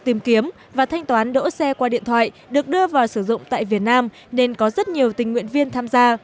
tìm kiếm và thanh toán đỗ xe qua điện thoại được đưa vào sử dụng tại việt nam nên có rất nhiều tình nguyện viên tham gia